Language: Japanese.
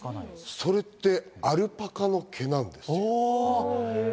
それって、アルパカの毛なんです。